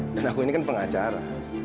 dan aku ini kan pengacara